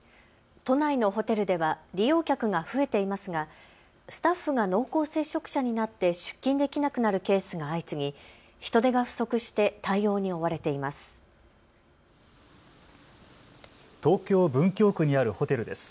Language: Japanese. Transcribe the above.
都内のホテルでは利用客が増えていますがスタッフが濃厚接触者になって出勤できなくなるケースが相次ぎ人手が不足して対応に追われています。